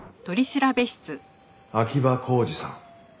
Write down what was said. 秋葉浩二さん。